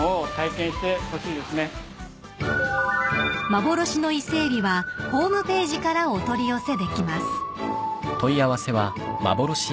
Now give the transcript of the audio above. ［幻の伊勢エビはホームページからお取り寄せできます］